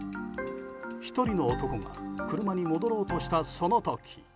１人の男が車に戻ろうとしたその時。